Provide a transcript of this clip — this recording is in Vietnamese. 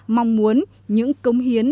mong muốn những công hiến